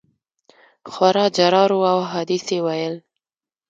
خورا جرار وو او احادیث یې ویل.